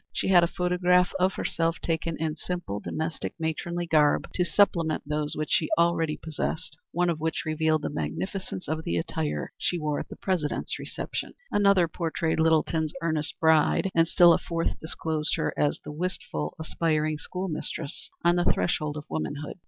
She had a photograph of herself taken in simple, domestic matronly garb to supplement those which she already possessed, one of which revealed the magnificence of the attire she wore at the President's Reception; another portrayed Littleton's earnest bride, and still a fourth disclosed her as the wistful, aspiring school mistress on the threshold of womanhood.